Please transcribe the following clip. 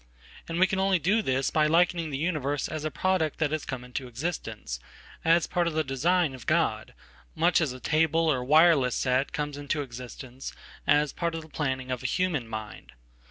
And we can onlydo this by likening the universe as a product that has come intoexistence as part of the design of God, much as a table or awireless set comes into existence as part of the, planning of ahuman "mind."